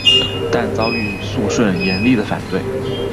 但遭遇肃顺严厉的反对。